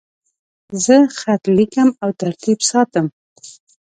زه خط لیکم او ترتیب ساتم.